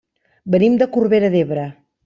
Venim de Corbera d'Ebre.